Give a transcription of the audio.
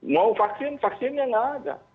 mau vaksin vaksinnya nggak ada